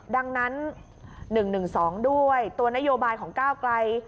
ดังนั้น๑๑๒ด้วยตัวนโยบายของก้าวไกล